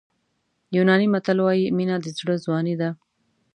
یوناني متل وایي مینه د زړه ځواني ده.